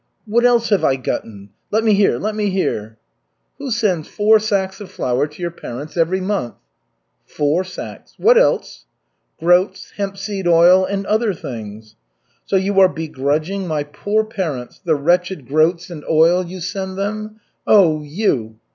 "What else have I gotten? Let me hear, let me hear!" "Who sends four sacks of flour to your parents every month?" "Four sacks. What else?" "Groats, hemp seed oil and other things " "So you are begrudging my poor parents the wretched groats and oil you send them? Oh, you!"